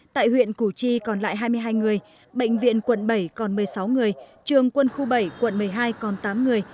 tại huyện củ chi còn lại hai mươi hai người bệnh viện quận bảy còn một mươi sáu người trường quân khu bảy quận một mươi hai còn tám người